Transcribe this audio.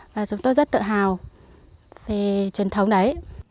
và chúng tôi rất tự hào về truyền thống đấy